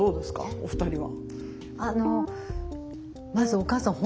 お二人は。